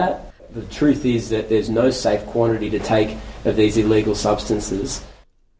kebenaran adalah tidak ada kuantitas yang aman untuk mengambil dari substansi yang tidak ilegal